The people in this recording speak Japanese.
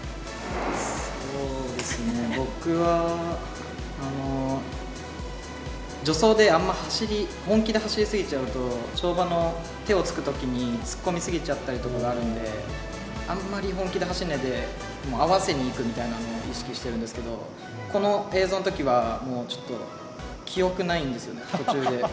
そうですね、僕は助走で、あんま本気で走り過ぎちゃうと、跳馬の手をつくときに突っ込み過ぎちゃったりとかがあるので、あんまり本気で走らないで、合わせにいくみたいなのを意識しているんですけれども、この映像のときは、もうちょっと記憶ないんですよね、途中で。